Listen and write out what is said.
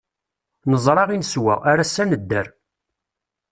Neẓra i neswa, ar ass-a nedder.